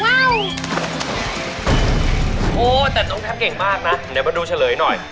โอ้โหแต่น้องแท็บเก่งมากนะเดี๋ยวมาดูเฉลยหน่อย